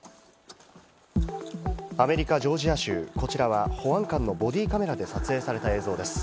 アメリカ・ジョージア州、こちらは保安官のボディーカメラで撮影された映像です。